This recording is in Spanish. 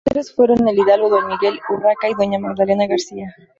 Sus padres fueron el hidalgo don Miguel Urraca y doña Magdalena García.